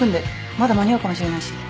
まだ間に合うかもしれないし。